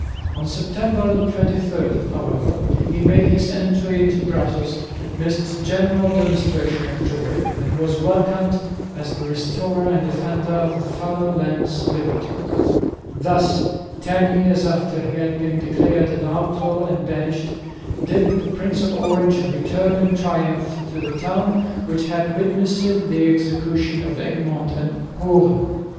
On September 23, however, he made his entry into Brussels amidst general demonstrations of joy and was welcomed as "the Restorer and Defender of the Father land's liberty." Thus, ten years after he had been declared an outlaw and banished, did the Prince of Orange return in triumph to the town which had witnessed the execution of Egmont and Hoorn.